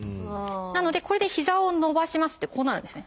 なのでこれで膝を伸ばしますってこうなるんですね。